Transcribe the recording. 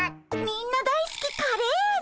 みんな大すきカレー味